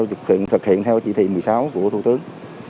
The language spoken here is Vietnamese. thực hiện theo chỉ thị một mươi sáu của thủ tướng